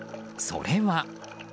それは。